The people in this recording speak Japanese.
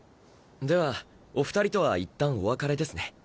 ではお二人とは一旦お別れですね。